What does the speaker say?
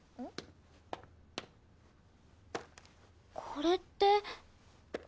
これって。